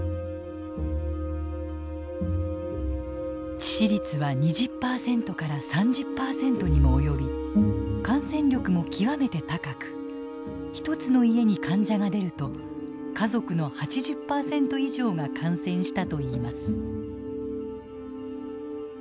致死率は２０％から３０％にも及び感染力も極めて高く１つの家に患者が出ると家族の８０％以上が感染したといいます。